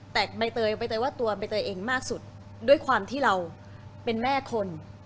แต่ใบเตยว่าตัวใบเตยเองมากสุดด้วยความที่เราเป็นแม่คน